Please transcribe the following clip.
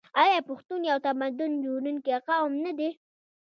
آیا پښتون یو تمدن جوړونکی قوم نه دی؟